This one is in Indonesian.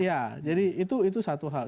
ya jadi itu satu hal